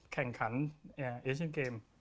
แข่งขันเอเชียนเกม